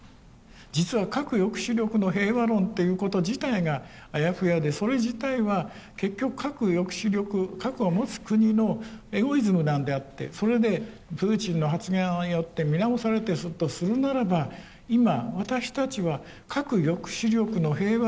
実は核抑止力の平和論っていうこと自体があやふやでそれ自体は結局核抑止力核を持つ国のエゴイズムなんであってそれでプーチンの発言によって見直されたりするとするならば今私たちは核抑止力の平和論をつくるチャンスなんだと。